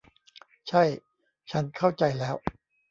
ใช่ ฉันเข้าใจแล้ว